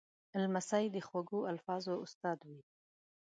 لمسی د خوږو الفاظو استاد وي.